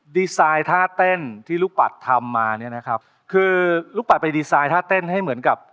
ดีไซน์ท่าเต้นที่ลูกปัดทำมาเนี่ยนะครับคือลูกปัดไปดีไซน์ท่าเต้นให้เหมือนกับ